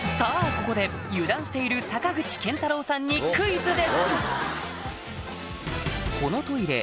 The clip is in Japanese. ここで油断している坂口健太郎さんにクイズです